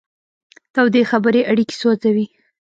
تودې خبرې اړیکې سوځوي.